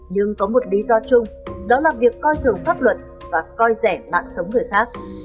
nhưng có một lý do chung đó là việc coi thường pháp luật và coi rẻ mạng sống người khác